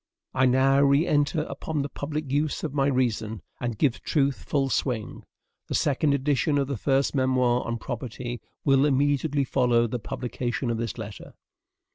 I now reenter upon the public use of my reason, and give truth full swing. The second edition of the First Memoir on Property will immediately follow the publication of this letter.